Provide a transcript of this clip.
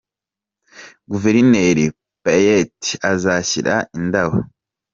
Guverineri Payette azashyira indabo.